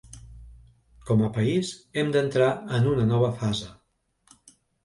Com a país hem d’entrar en una nova fase.